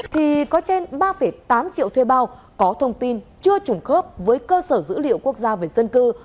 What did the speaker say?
thì có trên ba tám triệu thuê bao có thông tin chưa trùng khớp với cơ sở dữ liệu quốc gia về dân cư